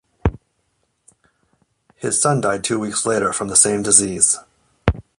His son died two weeks later from the same disease.